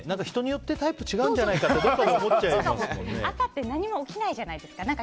人によってタイプが違うんじゃないかと朝って何も起きないじゃないですか。